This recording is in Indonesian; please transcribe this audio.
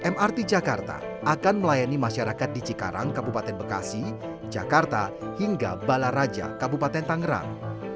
mrt jakarta akan melayani masyarakat di cikarang kabupaten bekasi jakarta hingga balaraja kabupaten tangerang